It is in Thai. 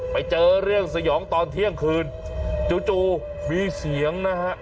ไปเจอเรื่องสยองตอนเที่ยงคืนจู่มีเสียงนะฮะ